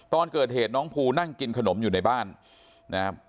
ตอนเกิดเหตุน้องภูนั่งกินขนมอยู่ในบ้านนะครับ